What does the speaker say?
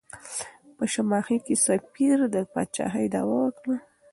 په شماخي کې سفیر د پاچاهۍ دعوه وکړه.